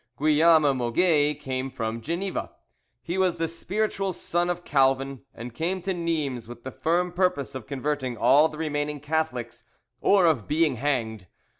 Guillaume Moget came from Geneva. He was the spiritual son of Calvin, and came to Nimes with the firm purpose of converting all the remaining Catholics or of being hanged.